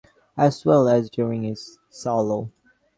As well as during his solo.